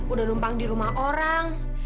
udah numpang di rumah orang